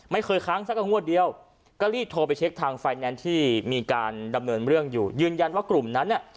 ค้างสักก็งวดเดียวก็รีบโทรไปเช็คทางไฟแนนซ์ที่มีการดำเนินเรื่องอยู่ยืนยันว่ากลุ่มนั้นเนี่ย